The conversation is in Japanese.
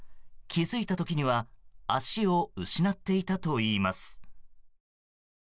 気づいた時には足を失っていたといいます。